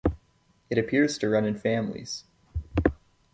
It appears to run in families.